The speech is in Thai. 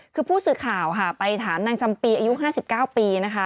คือผู้สื่อข่าวค่ะไปถามนางจำปีอายุ๕๙ปีนะคะ